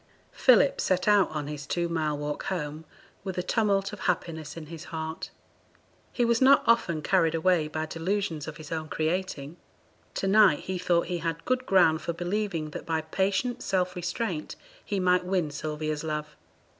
Philip set out on his two mile walk home with a tumult of happiness in his heart. He was not often carried away by delusions of his own creating; to night he thought he had good ground for believing that by patient self restraint he might win Sylvia's love.